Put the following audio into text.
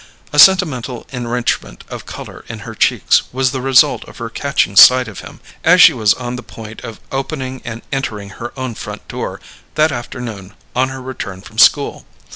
A sentimental enrichment of colour in her cheeks was the result of her catching sight of him, as she was on the point of opening and entering her own front door, that afternoon, on her return from school.